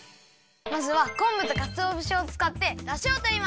まずはこんぶとかつおぶしをつかってだしをとります！